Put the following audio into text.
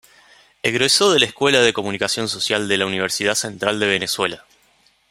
Egresó de la escuela de Comunicación Social de la Universidad Central de Venezuela.